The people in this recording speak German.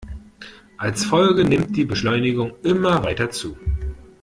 Als Folge nimmt die Beschleunigung immer weiter zu.